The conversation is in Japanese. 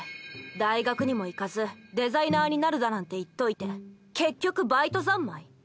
大学にも行かずデザイナーになるだなんて言っといて結局バイト三昧？